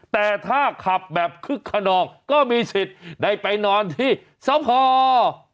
แต่ถ้าขับแบบคึกขนองก็มีสิทธิ์ได้ไปนอนที่สพ